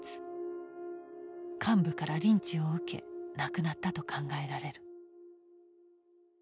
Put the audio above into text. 幹部からリンチを受け亡くなったと考えられる。